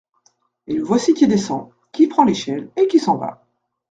Et le voici qui descend, qui prend l’échelle, et qui s’en va.